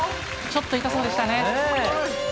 ちょっと痛そうでしたね。